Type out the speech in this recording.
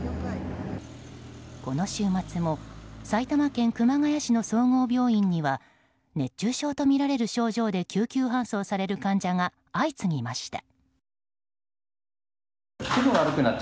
この週末も埼玉県熊谷市の総合病院には熱中症とみられる症状で救急搬送される患者が相次ぎました。